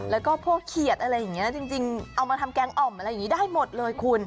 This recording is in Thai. แล้วก็พวกเขียดอะไรอย่างนี้จริงเอามาทำแกงอ่อมอะไรอย่างนี้ได้หมดเลยคุณ